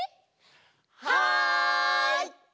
はい！